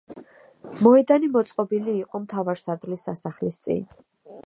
მოედანი მოწყობილი იყო მთავარსარდლის სასახლის წინ.